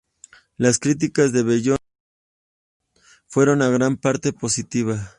Las críticas de "Beyond Magnetic" fueron en gran parte positivas.